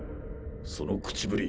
その口ぶり